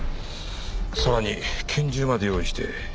さらに拳銃まで用意して。